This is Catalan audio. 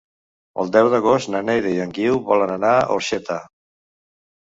El deu d'agost na Neida i en Guiu volen anar a Orxeta.